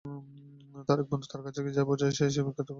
তার এক বন্ধু তার কাছে যায় এবং বুঝায় যে, সে একজন বিখ্যাত সেনাপতি।